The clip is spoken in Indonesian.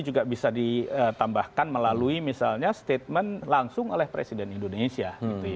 bunda minyak indonesia